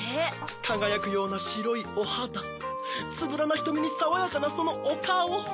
かがやくようなしろいおはだつぶらなひとみにさわやかなそのおカオ。